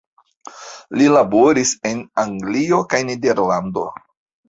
Li laboris en Anglio kaj Nederlando.